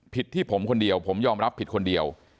ที่ผมคนเดียวผมยอมรับผิดคนเดียว